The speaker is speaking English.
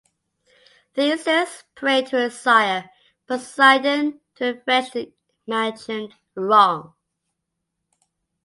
Theseus prayed to his sire Poseidon to avenge the imagined wrong.